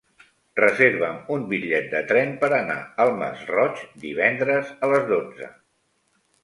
Reserva'm un bitllet de tren per anar al Masroig divendres a les dotze.